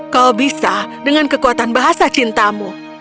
kau bisa dengan kekuatan bahasa cintamu